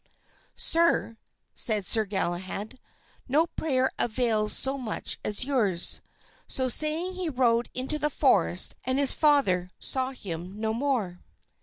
"Sir," said Sir Galahad, "no prayer avails so much as yours." So saying, he rode into the forest and his father saw him no more.